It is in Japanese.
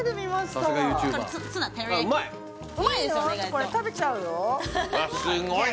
これ食べちゃうようわ